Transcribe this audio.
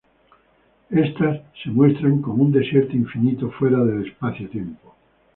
Estas se muestran como un desierto infinito fuera del Espacio-tiempo.